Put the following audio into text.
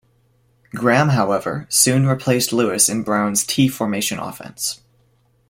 Graham, however, soon replaced Lewis in Brown's T formation offense.